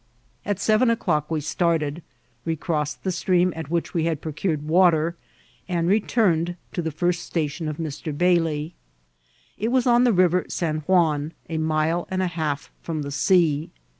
At seven o'clock we started, recrossed the stream at which we had procured water, and returned to the first station of Mr. Bailey. It was on the River San Juan, a mile and a half from the sea.